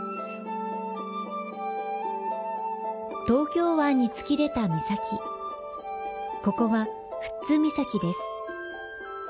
東京湾に突き出た岬、ここは富津岬です。